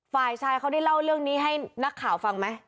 ฝ่ายชายเขาได้เล่าเรื่องนี้ให้นักข่าวฟังไหม